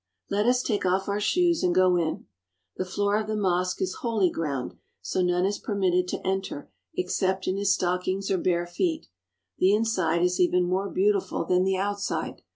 Let us take off our shoes and go in. The floor of the mosque is holy ground, so none is permitted to enter except in his stockings or bare feet. The inside is even more beautiful than the outside.